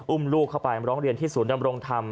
อุ้มลูกเข้าไปร้องเรียนที่ศูนย์ดำรงธรรม